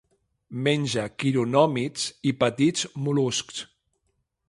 Menja quironòmids i petits mol·luscs.